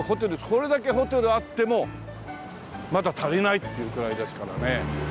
これだけホテルあってもまだ足りないっていうくらいですからね。